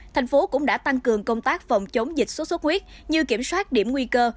thành phố cũng đã tăng cường công tác phòng chống dịch sốt xuất huyết như kiểm soát điểm nguy cơ